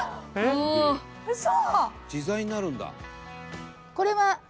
「自在になるんだ」